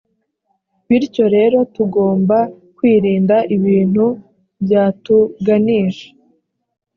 bityo rero tugomba kwirinda ibintu byatuganisha